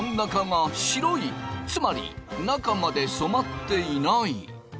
つまり中まで染まっていない。